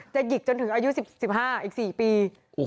หยิกจนถึงอายุ๑๕อีก๔ปี